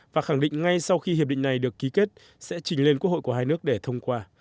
và khẳng định ngay sau khi hiệp định này được ký kết sẽ trình lên quốc hội của hai nước để thông qua